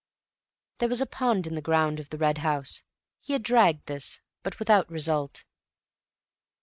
There was a pond in the grounds of the Red House. He had dragged this, but without result....